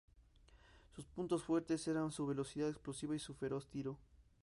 Sus puntos fuertes eran su velocidad explosiva y su feroz tiro.